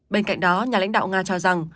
bên cạnh đó nhà lãnh đạo nga cho rằng